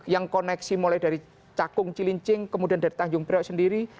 yang koneksi mulai dari cakung cilincing kemudian dari tanjung priok sendiri